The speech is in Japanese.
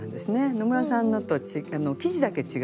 野村さんのと生地だけ違う。